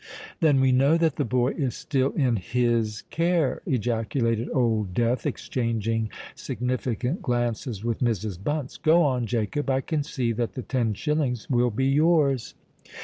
"Then we know that the boy is still in his care!" ejaculated Old Death, exchanging significant glances with Mrs. Bunce. "Go on, Jacob. I can see that the ten shillings will be yours."